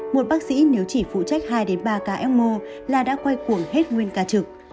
một bác sĩ nếu chỉ phụ trách hai đến ba kmo là đã quay cuồng hết nguyên ca trực